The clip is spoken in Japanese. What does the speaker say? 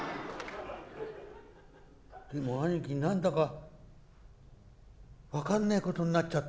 「でも兄貴何だか分かんねえことになっちゃった」。